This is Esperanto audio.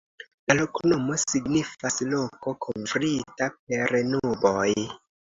La loknomo signifas: "Loko kovrita per nuboj".